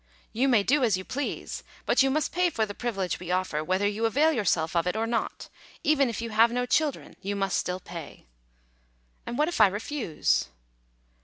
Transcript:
"You may do as you please; but you must pay for the privilege we offer, whether you avail yourself of it or not. Even if you have no children you must still pay." "And what if I refuse?"